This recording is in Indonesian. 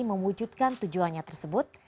memwujudkan tujuannya tersebut